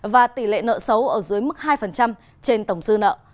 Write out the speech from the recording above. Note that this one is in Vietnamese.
và tỷ lệ nợ xấu ở dưới mức hai trên tổng dư nợ